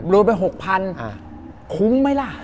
ซื้อไป๖๐๐๐บาทคุ้มไหมล่ะ